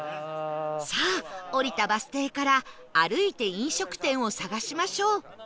さあ降りたバス停から歩いて飲食店を探しましょう